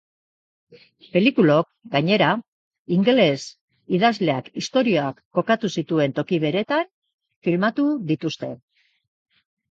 Pelikulok, gainera, ingeles idazleak istorioak kokatu zituen toki beretan filmatu dituzte.